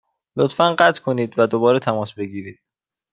لطفا قطع کنید و دوباره تماس بگیرید.